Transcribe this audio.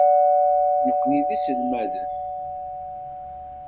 Nekni d iselmaden.